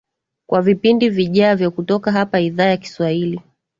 kwa vipindi vijavyo kutoka hapa idhaa ya kiswahili